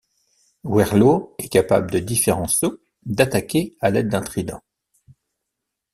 Whirlo est capable de différents sauts, d'attaquer à l'aide d'un trident.